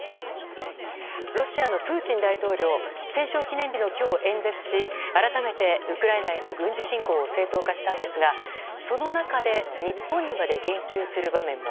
ロシアのプーチン大統領戦勝記念日の今日、演説し改めてウクライナへの軍事侵攻を正当化したんですがその中で日本にまで言及する場面も。